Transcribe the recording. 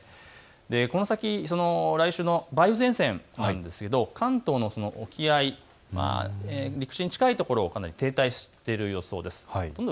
この先、来週の梅雨前線なんですが関東の沖合、陸地に近いところを停滞している予想です。